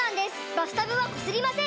バスタブはこすりません！